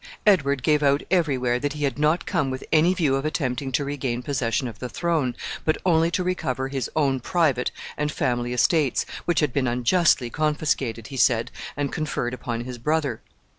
Edward gave out every where that he had not come with any view of attempting to regain possession of the throne, but only to recover his own private and family estates, which had been unjustly confiscated, he said, and conferred upon his brother.